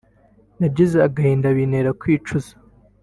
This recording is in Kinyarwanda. nagize agahinda bintera kwicuza